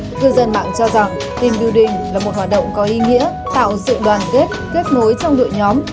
người dân mạng cho rằng tìm building là một hoạt động có ý nghĩa tạo sự đoàn kết kết nối trong đội nhóm